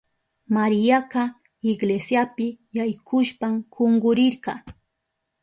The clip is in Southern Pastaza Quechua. Mariaka iglesiapi yaykushpan kunkurirka.